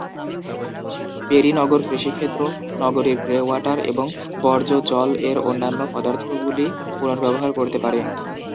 পেরি-নগর কৃষিক্ষেত্র, নগরীর grey water এবং বর্জ্য জল-এর অন্যান্য পদার্থগুলি পুনর্ব্যবহার করতে পারে।